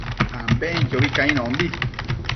ambenquiobi cainombi